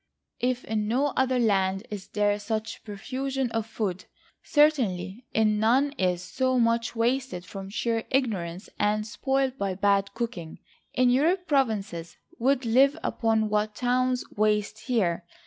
If in no other land is there such profusion of food, certainly in none is so much wasted from sheer ignorance, and spoiled by bad cooking. In Europe provinces would live upon what towns waste here.